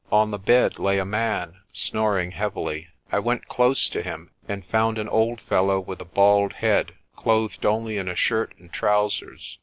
On the bed lay a man, snoring heavily. I went close to him, and found an old fellow with a bald head, clothed only in a shirt and trousers.